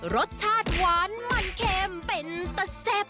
รสชาติหวานมันเค็มเป็นตะแซ่บ